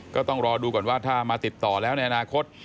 ก็ต้องรอดูก่อนว่าถ้ามาติดต่อแล้วในอนาคต